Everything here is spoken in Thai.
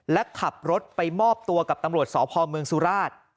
และขับรถไปมอบตัวกับตำรวจสพเมืองสุราช